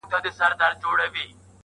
تر لسو ډېرو ولسوالی او سلګونو